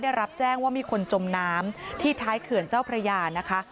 ได้รับแจ้งว่ามีคนจมน้ำที่ท้ายเขื่อนเจ้าพระยานะคะ